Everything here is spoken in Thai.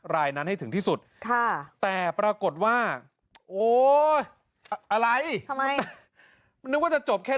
รายนั้นให้ถึงที่สุดแต่ปรากฏว่าโอ๊ยอะไรทำไมนึกว่าจะจบแค่